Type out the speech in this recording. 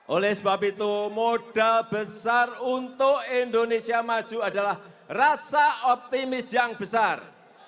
oleh sebab itu modal besar untuk indonesia maju adalah rasa optimis yang besar